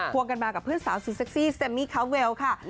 วงกันมากับเพื่อนสาวสุดเซ็กซี่แซมมี่คาเวลค่ะ